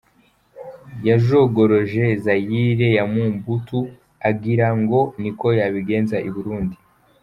Yajogoroje Zaire ya Mobutu, agirango niko yabigenza i Burundi !